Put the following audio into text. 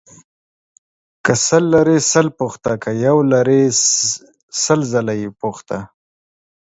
که سل لرې سل پوښته ، که يو لرې سل ځله يې پوښته.